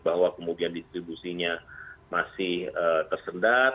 bahwa kemudian distribusinya masih tersendat